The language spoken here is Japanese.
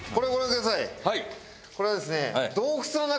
これはですね。